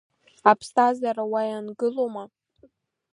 Аԥсҭазаара уа иаангылома?